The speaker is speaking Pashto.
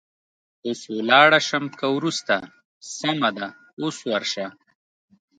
اوس ولاړه شم که وروسته؟ سمه ده، اوس ورشه.